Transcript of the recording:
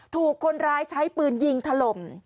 ถูกคนร้ายใช้ปืนยิงถล่ม